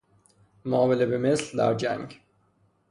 معامله به مثل در جنگ